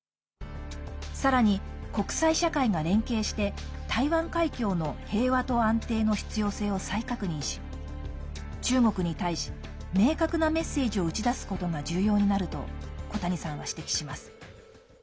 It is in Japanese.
さらに国際社会が連携して台湾海峡の平和と安定の必要性を再確認し中国に対し、明確なメッセージを打ち出すことが重要になると小谷さんは指摘します。